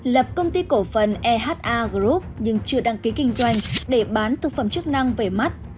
lập công ty cổ phần eha group nhưng chưa đăng ký kinh doanh để bán thực phẩm chức năng về mắt